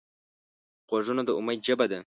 غوږونه د امید ژبه ده